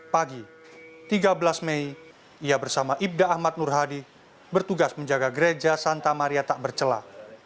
pagi tiga belas mei ia bersama ibda ahmad nurhadi bertugas menjaga gereja santa marieta bercelah